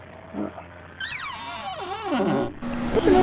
Hay muy pocos registros sobre el sitio.